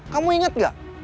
kamu ingat gak